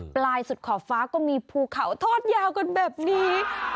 ปลายสุดขอบฟ้าก็มีภูเขาทอดยาวกันแบบนี้